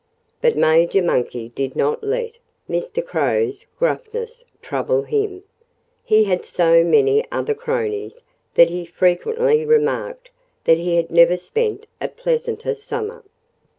But Major Monkey did not let Mr. Crow's gruffness trouble him. He had so many other cronies that he frequently remarked that he had never spent a pleasanter summer.